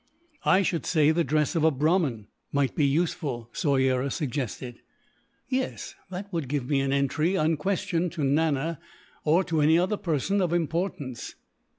"I should say the dress of a Brahmin might be useful," Soyera suggested. "Yes, that would give me an entry, unquestioned, to Nana, or to any other person of importance."